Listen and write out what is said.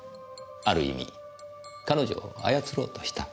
ある意味彼女を操ろうとした。